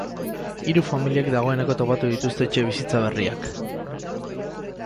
Hiru familiek dagoeneko topatu dituzte etxe bitza berriak.